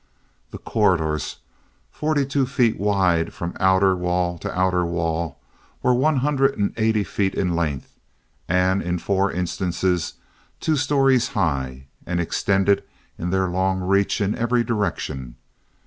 The corridors, forty two feet wide from outer wall to outer wall, were one hundred and eighty feet in length, and in four instances two stories high, and extended in their long reach in every direction.